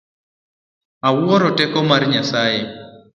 Awuoro teko mar Nyasaye.